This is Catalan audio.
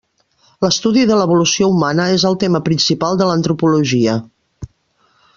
L'estudi de l'evolució humana és el tema principal de l'antropologia.